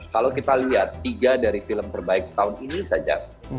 kalau kita lihat tiga dari film terbaik tahun ini saja